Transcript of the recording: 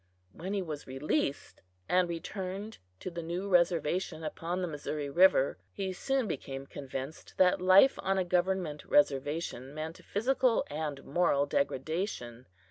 When he was released, and returned to the new reservation upon the Missouri river, he soon became convinced that life on a government reservation meant physical and moral degradation.